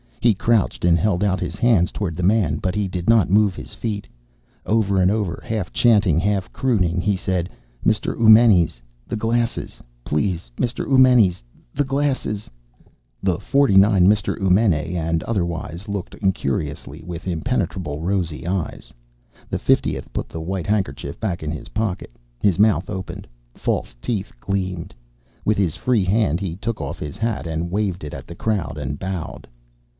He crouched and held out his hands toward the man, but he did not move his feet. Over and over, half chanting, half crooning, he said, "Mr. Eumenes! The glasses! Please, Mr. Eumenes, the glasses!" The forty nine Mr. Eumenae and otherwise looked incuriously with impenetrable rosy eyes. The fiftieth put the white handkerchief back in his pocket. His mouth opened. False teeth gleamed. With his free hand he took off his hat and waved it at the crowd and bowed.